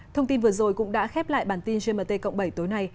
thông tin vừa rồi cũng đã khép lại bản tin gmt cộng bảy tối nay